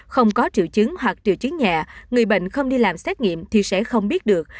không có triệu chứng hoặc triệu chứng nhẹ người bệnh không đi làm xét nghiệm thì sẽ không biết được